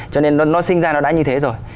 cho nên nó sinh ra nó đã như thế rồi